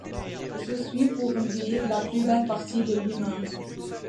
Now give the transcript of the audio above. Je suis pour lui la plus belle partie de lui-même.